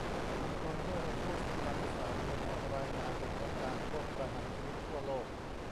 องค์กรนิรโทษกรรมสากลออกรายงานสถานการณ์โทษประหารชีวิตทั่วโลก